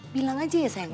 bilang aja ya sayang ya